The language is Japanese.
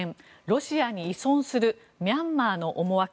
ロシアに依存するミャンマーの思惑。